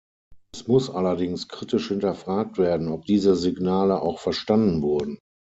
Es muss allerdings kritisch hinterfragt werden, ob diese Signale auch verstanden wurden.